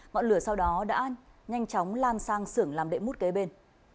ngọn lửa sau đó đã nhanh chóng lan sang sưởng làm đệm mút kế bên